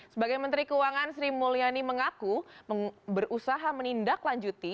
sebagai menteri keuangan sri mulyani mengaku berusaha menindaklanjuti